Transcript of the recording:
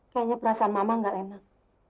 kayaknya perasaan mama gak enak